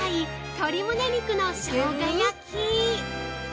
鶏むね肉のしょうが焼き。